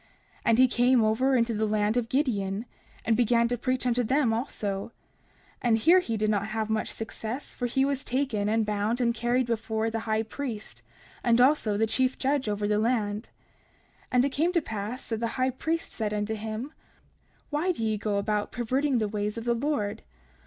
And he came over into the land of Gideon, and began to preach unto them also; and here he did not have much success, for he was taken and bound and carried before the high priest, and also the chief judge over the land. 30:22 And it came to pass that the high priest said unto him: Why do ye go about perverting the ways of the Lord?